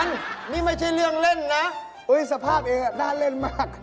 เจ๊มานี่เลยเจ๊กำลังอ๋อ